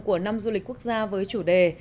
của năm du lịch quốc gia với chủ đề